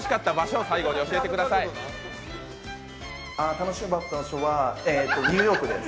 楽しかった場所はニューヨークです。